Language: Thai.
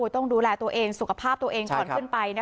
ต้องดูแลตัวเองสุขภาพตัวเองก่อนขึ้นไป